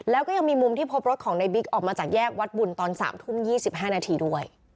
แล้วก็ยังมีมุมที่พบรถของในบิ๊กออกมาจากแยกวัดบุญตอน๓ทุ่ม๒๕นาทีด้วย